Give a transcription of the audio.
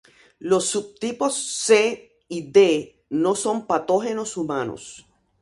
Los subtipos "C" y "D" no son patógenos humanos.